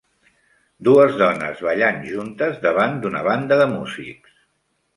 Dues dones ballant juntes davant d"una banda de músics.